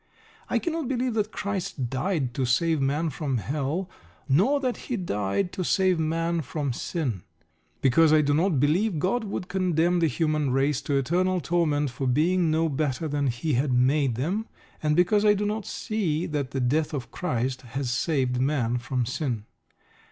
I cannot believe that Christ died to save man from Hell, nor that He died to save man from sin. Because I do not believe God would condemn the human race to eternal torment for being no better than He had made them, and because I do not see that the death of Christ has saved man from sin.